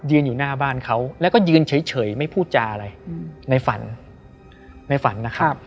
อยู่หน้าบ้านเขาแล้วก็ยืนเฉยไม่พูดจาอะไรในฝันในฝันนะครับ